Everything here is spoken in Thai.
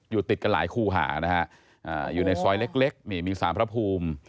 อยู่ติดกันหลายคู่หานะฮะอ่าอยู่ในซอยเล็กเล็กนี่มีสามพระภูมิ